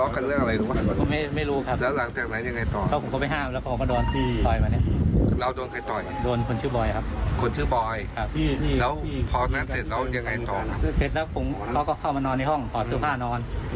เขาก็เข้ามานอนในห้องถอดสุภาพนอน